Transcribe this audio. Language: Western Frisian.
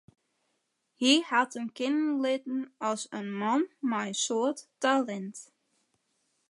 Hy hat him kenne litten as in man mei in soad talint.